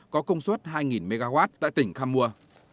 có công suất hai mw tại tỉnh kham mua